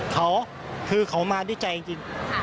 เขาคือเขามาด้วยใจจริง